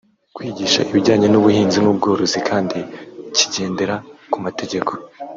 kwigisha ibijyanye n’ubuhinzi n’ubworozi kandi kigendera ku mategeko